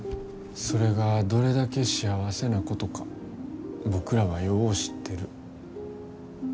それがどれだけ幸せなことか僕らはよう知ってる。